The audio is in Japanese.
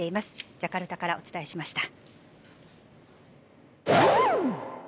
ジャカルタからお伝えしました。